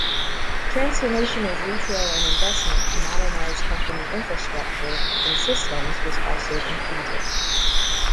Transformation of retail and investment to modernise company infrastructure and systems was also completed.